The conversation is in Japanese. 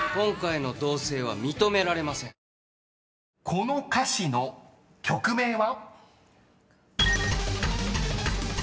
［この歌詞の曲名は？］